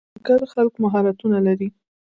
نوښتګر خلک مهارتونه لري.